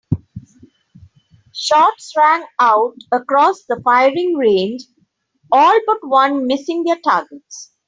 Shots rang out across the firing range, all but one missing their targets.